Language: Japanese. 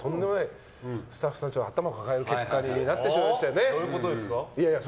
結果、スタッフさんが頭を抱える結果になってしまいましたよね。